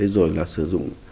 rồi là sử dụng